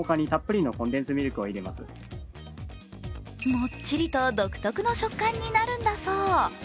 もっちりと独特の食感になるんだそう。